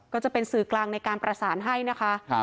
ก็จะเป็นสื่อกลางในการประสานให้นะคะ